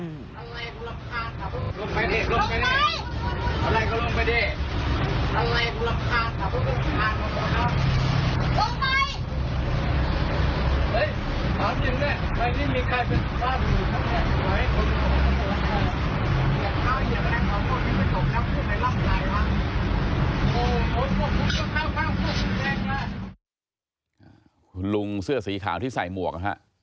คุณลุงเสื้อสีขาวที่ใส่หมวกนะฮะ